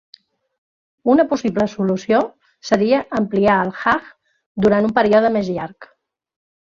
Una possible solució seria ampliar el Hajj durant un període més llarg.